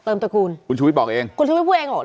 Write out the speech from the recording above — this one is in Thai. ตระกูลคุณชุวิตบอกเองคุณชุวิตพูดเองเหรอ